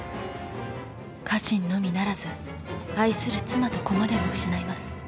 家臣のみならず愛する妻と子までも失います。